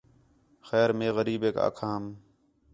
خیر مے غریبیک آکھام